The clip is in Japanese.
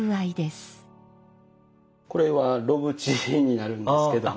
これは炉縁になるんですけども。